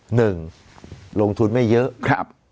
หนึ่งลงทุนไม่เยอะ